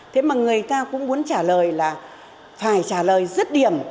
thế mà người ta cũng muốn trả lời là phải trả lời rất điểm